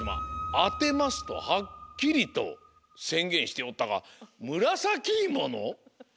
「あてます」とはっきりとせんげんしておったがむらさきいもの？